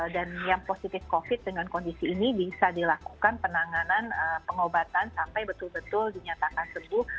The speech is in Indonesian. dan yang positif covid dengan kondisi ini bisa dilakukan penanganan pengobatan sampai betul betul dinyatakan sebuah